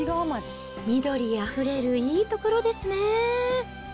緑あふれるいいところですね。